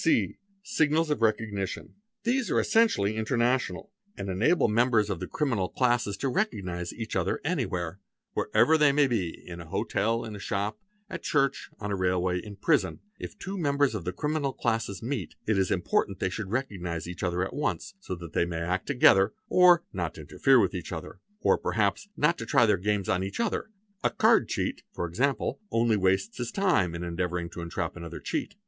ont C. Signals of recognition. _ These are essentially international and enable members of the criminal 342 PRACTICES OF CRIMINALS classes to recognise each other anywhere. Wherever they may be, ina hotel, in a shop, at church, on the railway, in prison, if two members of the © criminal classes meet it is important that they should recognise each other — at once, so that they may act together, or not interfere with each other, — or perhaps not try their games on each other; a card cheat, for example, — only wastes his time in endeavouring to entrap another cheat.